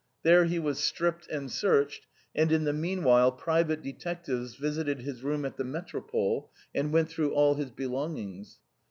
There he was stripped and searched, and in the meanwhile private detectives visited his room at the Métropole and went through all his belongings.